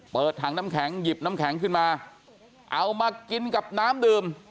เปิดถังน้ำแข็งหยิบน้ำแข็งขึ้นมาเอามากินกับน้ำดื่ม